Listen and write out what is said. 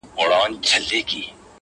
• تر ماښام پوري یې هیڅ نه وه خوړلي -